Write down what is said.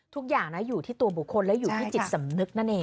ทุกอย่างนะอยู่ที่ตัวบุคคลและอยู่ที่จิตสำนึกนั่นเอง